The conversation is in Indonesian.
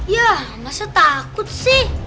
ya masa takut sih